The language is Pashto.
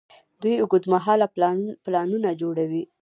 دوی اوږدمهاله پلانونه جوړوي.